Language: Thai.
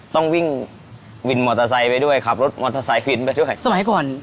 ต้องวิ่งวินมอเตอร์ไซค์ไปด้วยขับรถมอเตอร์ไซค์วินไปด้วยสมัยก่อน